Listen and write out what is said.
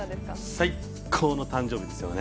最高の誕生日ですよね。